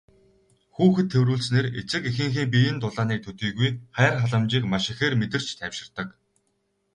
Хүүхэд тэврүүлснээр эцэг эхийнхээ биеийн дулааныг төдийгүй хайр халамжийг маш ихээр мэдэрч тайвширдаг.